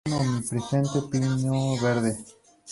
En el escenario, un omnipresente pino verde.